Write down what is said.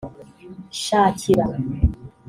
Shakira